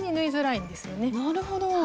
なるほど。